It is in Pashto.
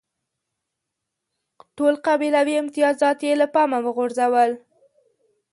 ټول قبیلوي امتیازات یې له پامه وغورځول.